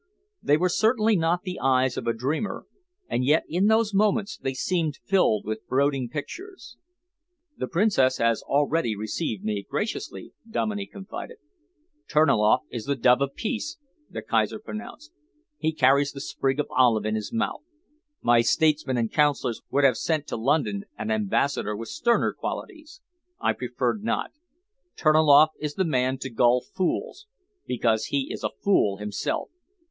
They were certainly not the eyes of a dreamer, and yet in those moments they seemed filled with brooding pictures. "The Princess has already received me graciously," Dominey confided. "Terniloff is the dove of peace," the Kaiser pronounced. "He carries the sprig of olive in his mouth. My statesmen and counsellors would have sent to London an ambassador with sterner qualities. I preferred not. Terniloff is the man to gull fools, because he is a fool himself.